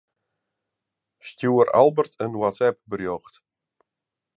Stjoer Albert in WhatsApp-berjocht.